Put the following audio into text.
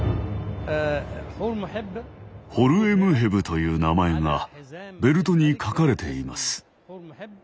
「ホルエムヘブ」という名前がベルトに書かれています。